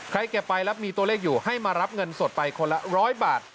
เก็บไปแล้วมีตัวเลขอยู่ให้มารับเงินสดไปคนละ๑๐๐บาท